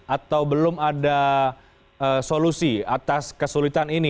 atau belum ada solusi atas kesulitan ini